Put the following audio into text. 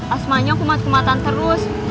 asmanya kumat kumatan terus